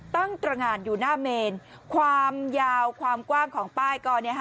ตรงานอยู่หน้าเมนความยาวความกว้างของป้ายก็